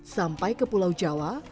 sampai ke pulau jawa